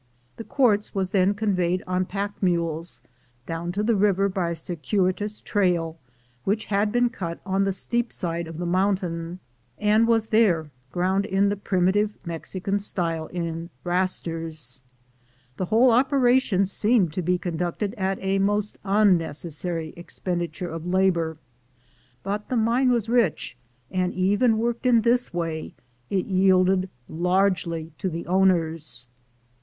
The quartz was then con veyed on pack mules down to the river by a cir cuitous trail, which had been cut on the steep side of the mountain, and was there ground in the primi tive Mexican style in "rasters." The whole opera tion seemed to be conducted at a most unnecessary expenditure of labor; but the mine was rich, and, even worked in this way, it yielded largely to the owners.